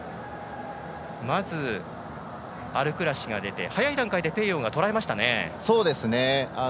まず、アルクラシが出て早い段階でペーヨーがとらえましたね。